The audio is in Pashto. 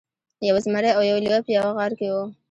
یو زمری او یو لیوه په یوه غار کې وو.